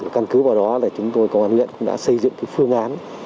căn cứ vào đó là chúng tôi công an huyện cũng đã xây dựng phương án